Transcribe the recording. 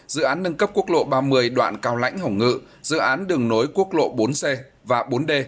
dự án nâng cấp quốc lộ ba mươi đoạn cao lãnh hồng ngự dự án đường nối quốc lộ bốn c và bốn d